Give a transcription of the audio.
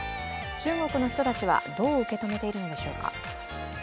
中国の人たちはどう受け止めているのでしょうか。